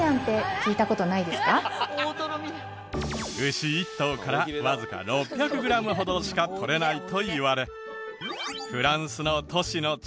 牛１頭からわずか６００グラムほどしか取れないといわれ。